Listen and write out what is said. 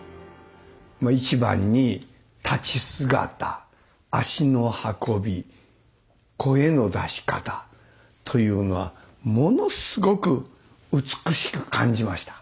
一番に立ち姿足の運び声の出し方というのはものすごく美しく感じました。